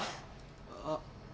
「あっ」